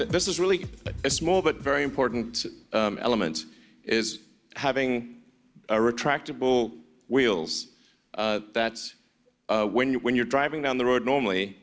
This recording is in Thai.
แต่เมื่อเข้าในลักษณะเดียวกันรถยนต์ก็จะปล่อย